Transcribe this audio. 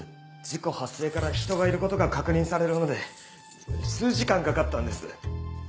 事故発生から人がいることが確認されるまで数時間かかったんです